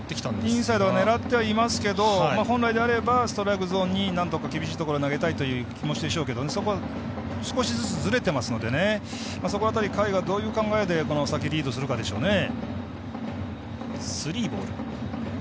インサイドを狙ってはいますが本来であればストライクゾーンになんとか厳しいところ投げたいという気持ちでしょうけどそこ、少しずつずれてますのでその辺り、甲斐がどういう考えでこの先リードするかですね。